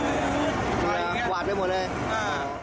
อย่างนี้หวาดไปหมดเลยอ่า